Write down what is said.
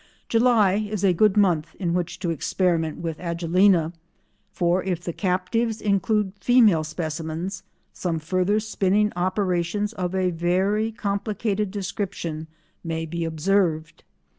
July is a good month in which to experiment with Agelena, for if the captives include female specimens some further spinning operations of a very complicated description may be observed.